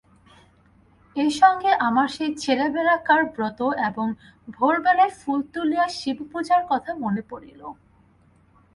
এইসঙ্গে আমার সেই ছেলেবেলাকার ব্রত এবং ভোরবেলায় ফুল তুলিয়া শিবপূজার কথা মনে পড়িল।